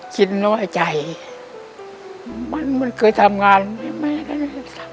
คิดน้อยใจมันเคยทำงานไหมไม่ได้ทำงาน